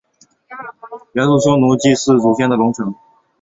元朔匈奴祭祀祖先的龙城。